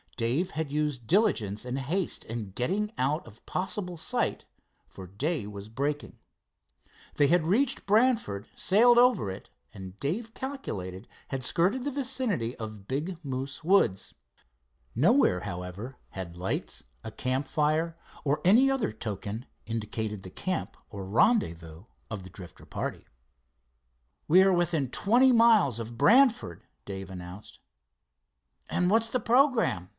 Dave had used diligence and haste in getting out of possible sight, for day was breaking. They had reach Brantford, sailed over it, and Dave calculated had skirted the vicinity of Big Moose Woods. Nowhere, however, had lights, a campfire or any other token indicated the camp or rendezvous of the Drifter party. "We are within twenty miles of Brantford," Dave announced. "And what's the programme?"